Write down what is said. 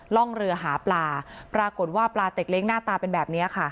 ร่องเรือหาปลาปรากฏว่าปลาเต็กเล้งหน้าตาเป็นแบบนี้ค่ะ